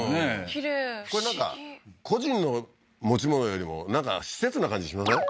きれいこれなんか個人の持ち物よりもなんか施設な感じしません？